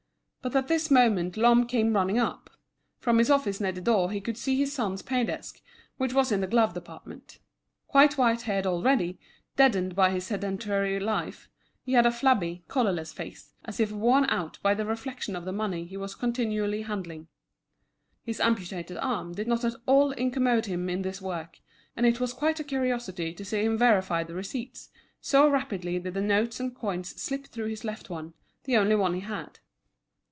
But at this moment Lhomme came running up. From his office near the door he could see his son's pay desk, which was in the glove department. Quite white haired already, deadened by his sedentary life, he had a flabby, colourless face, as if worn out by the reflection of the money he was continually handling. His amputated arm did not at all incommode him in this work, and it was quite a curiosity to see him verify the receipts, so rapidly did the notes and coins slip through his left one, the only one he had.